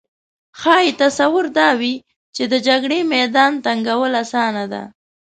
ښايي تصور دا وي چې د جګړې میدان تنګول اسانه ده